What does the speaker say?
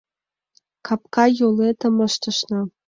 Капка йолетым ыштышна.